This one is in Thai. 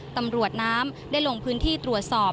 ตำรวจน้ำได้ลงพื้นที่ตรวจสอบ